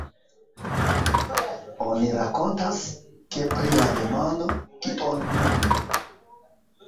Oni rakontas, ke pri la demando "Kion nun?